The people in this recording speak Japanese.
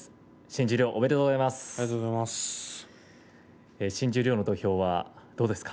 新十両おめでとうございます。